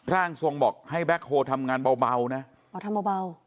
ร่างทรงบอกให้แบ็คโฮลทำงานเบานะอ๋อทำเบา